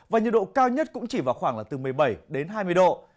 và nhiệt độ cao nhất cũng chỉ vào khoảng một mươi bảy hai mươi độ